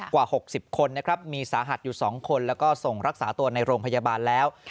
กว่า๖๐คนนะครับมีสาหัสอยู่๒คนแล้วก็ส่งรักษาตัวในโรงพยาบาลแล้ว